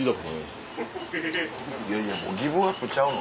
いやいやもうギブアップちゃうの？